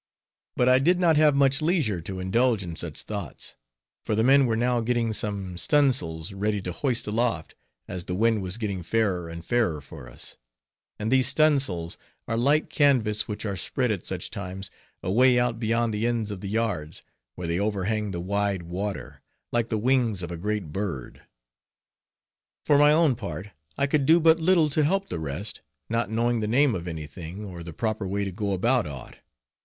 But I did not have much leisure to indulge in such thoughts; for the men were now getting some stun' sails ready to hoist aloft, as the wind was getting fairer and fairer for us; and these stun' sails are light canvas which are spread at such times, away out beyond the ends of the yards, where they overhang the wide water, like the wings of a great bird. For my own part, I could do but little to help the rest, not knowing the name of any thing, or the proper way to go about aught.